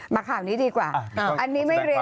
ข่าวนี้ดีกว่าอันนี้ไม่เรียน